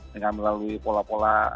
dengan melalui pola pola